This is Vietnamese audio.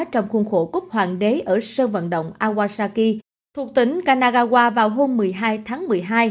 trong khuôn khổ cúc hoàng đế ở sơ vận động awasaki thuộc tỉnh kanagawa vào hôm một mươi hai tháng một mươi hai